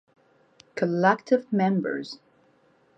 Collective Members